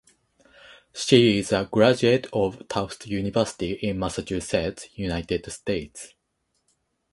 She is a graduate of Tufts University in Massachusetts, United States.